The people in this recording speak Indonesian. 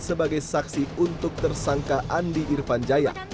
sebagai saksi untuk tersangka andi irfan jaya